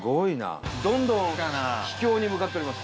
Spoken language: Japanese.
伊達：どんどん秘境に向かっております。